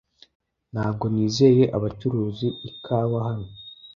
Ntabwo nizeye abacuruzi ikawa hano